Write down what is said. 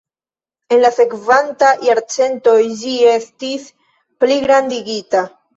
En la sekvanta jarcento ĝi estis pligrandigita.